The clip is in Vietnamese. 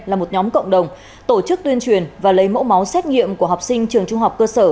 là một nhóm cộng đồng tổ chức tuyên truyền và lấy mẫu máu xét nghiệm của học sinh trường trung học cơ sở